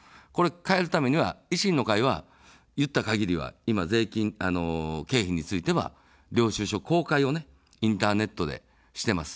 変えるためには維新の会は言った限りは、今、経費については、領収書公開をインターネットでしています。